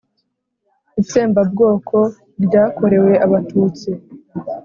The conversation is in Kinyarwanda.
Itsembabwoko ryakorewe Abatutsi